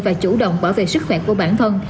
và chủ động bảo vệ sức khỏe của bản thân